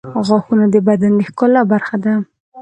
غاښونه د بدن د ښکلا برخه ده.